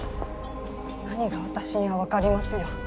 何が「私には分かります」よ。